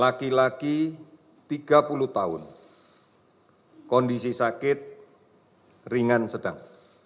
empat puluh enam laki laki tiga puluh tahun kondisi sakit ringan sedang